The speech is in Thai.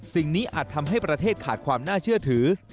สิ่งนี้อาจทำให้ประเทศขาดความน่าเชื่อถือ